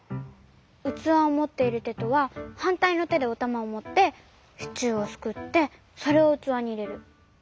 うつわをもっているてとははんたいのてでおたまをもってシチューをすくってそれをうつわにいれる。